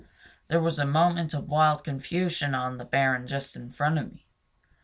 There was a moment of wild confusion out on the barren just in front of me.